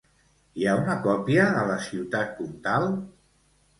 Hi ha una còpia a la ciutat comtal?